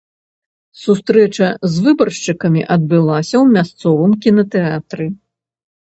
Сустрэча з выбаршчыкамі адбылася ў мясцовым кінатэатры.